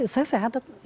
saya sehat tuh